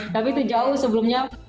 tapi itu jauh sebelumnya